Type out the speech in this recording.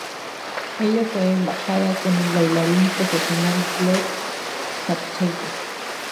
Ella fue emparejada con el bailarín profesional Gleb Savchenko.